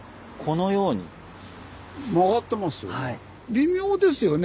微妙ですよね